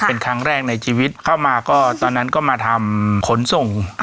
เป็นครั้งแรกในชีวิตเข้ามาก็ตอนนั้นก็มาทำขนส่ง